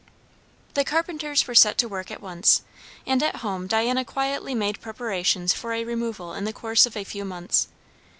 The carpenters were set to work at once, and at home Diana quietly made preparations for a removal in the course of a few months.